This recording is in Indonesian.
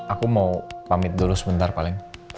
aku mau pamit dulu sebentar paling